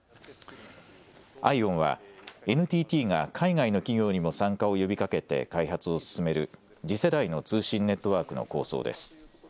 ＩＯＷＮはＮＴＴが海外の企業にも参加を呼びかけて開発を進める次世代の通信ネットワークの構想です。